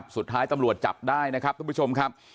สุดท้ายตำรวจจับได้นะครับทุกผู้ชมครับ